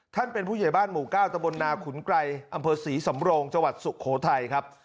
เป็นผู้ใหญ่บ้านหมู่๙ตะบนนาขุนไกรอำเภอศรีสำโรงจังหวัดสุโขทัยครับ